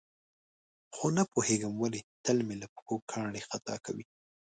خو نه پوهېږم ولې تل مې له پښو کاڼي خطا کوي.